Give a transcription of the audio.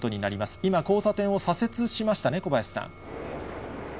今、交差点を左折しましたね、小林さん。